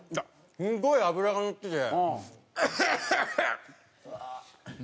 すごい脂がのってて。